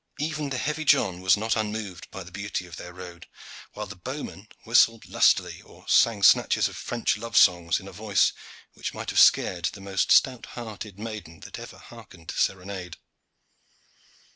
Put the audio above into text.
Even the heavy John was not unmoved by the beauty of their road, while the bowman whistled lustily or sang snatches of French love songs in a voice which might have scared the most stout hearted maiden that ever hearkened to serenade.